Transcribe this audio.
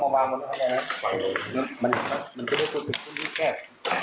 ฟองบานมาไหนมันจะได้สูดผิดขึ้นวิ้นแก้บ